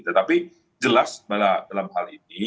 tetapi jelas dalam hal ini